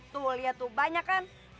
tuh lihat tuh banyak kan